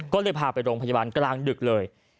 ก็เลยพาไปโรงพยาบาลกลางดึกเลย